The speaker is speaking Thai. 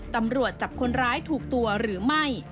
ตำรวจจับคนร้ายถูกตัวหรือไม่